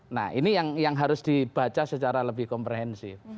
nah ini yang harus dibaca secara lebih komprehensif